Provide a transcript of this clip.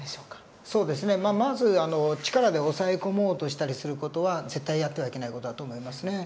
そうですねまあまず力で押さえ込もうとしたりする事は絶対やってはいけない事だと思いますね。